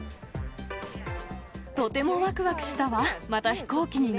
とてもわくわくしたわ。